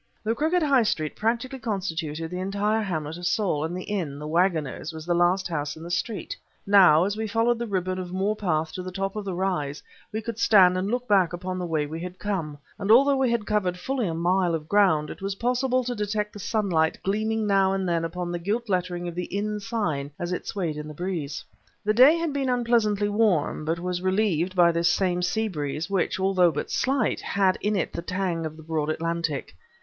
The crooked high street practically constituted the entire hamlet of Saul, and the inn, "The Wagoners," was the last house in the street. Now, as we followed the ribbon of moor path to the top of the rise, we could stand and look back upon the way we had come; and although we had covered fully a mile of ground, it was possible to detect the sunlight gleaming now and then upon the gilt lettering of the inn sign as it swayed in the breeze. The day had been unpleasantly warm, but was relieved by this same sea breeze, which, although but slight, had in it the tang of the broad Atlantic.